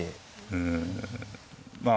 うんまあ